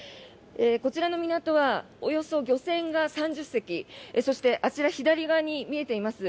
こちらの港はおよそ漁船が３０隻あちら、左側に見えています